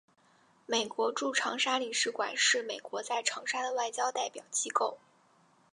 美国驻长沙领事馆是美国在长沙的外交代表机构。